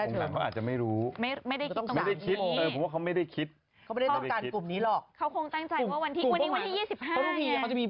ว่าเป็นแบบเขาไม่ต้องการกลุ่มนี้หรอ